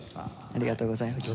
ありがとうございます。